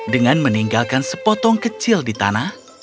dengan meninggalkan sepotong kecil di tanah